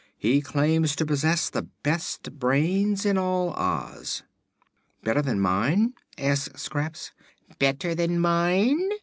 He claims to possess the best brains in all Oz." "Better than mine?" asked Scraps. "Better than mine?"